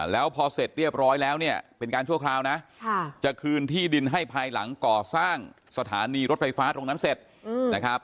แล้วพอเสร็จเรียบร้อยแล้วเนี่ยเป็นการชั่วคราวนะจะคืนที่ดินให้ภายหลังก่อสร้างสถานีรถไฟฟ้าตรงนั้นเสร็จนะครับ